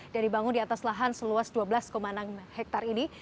dan dibangun di atas lahan seluas dua belas enam hektare ini